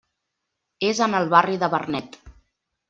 És en el barri del Vernet.